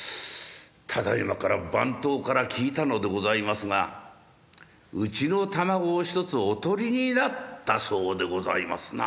ただいまから番頭から聞いたのでございますがうちの玉子を１つおとりになったそうでございますな。